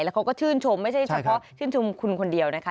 แล้วเขาก็ชื่นชมไม่ใช่เฉพาะชื่นชมคุณคนเดียวนะคะ